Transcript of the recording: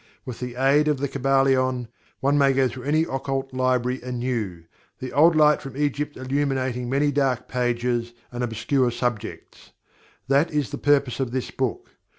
With the aid of The Kybalion one may go through any occult library anew, the old Light from Egypt illuminating many dark pages, and obscure subjects. That is the purpose of this book.